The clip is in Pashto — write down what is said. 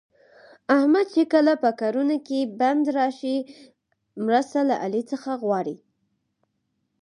احمد چې کله په کارونو کې بند راشي، مرسته له علي څخه غواړي.